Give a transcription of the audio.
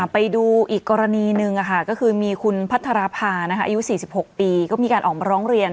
ไปดูอีกกรณีหนึ่งก็คือมีคุณพัทรภาอายุ๔๖ปีก็มีการออกมาร้องเรียน